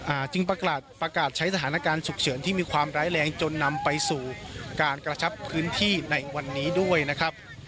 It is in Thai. จึงประกาศประกาศใช้สถานการณ์ฉุกเฉินที่มีความร้ายแรงจนนำไปสู่การกระชับพื้นที่ในวันนี้ด้วยนะครับ